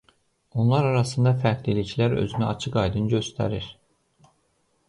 Onlar arasında fərqliliklər özünü açıq aydın göstərir.